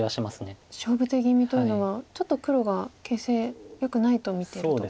勝負手気味というのはちょっと黒が形勢よくないと見てると。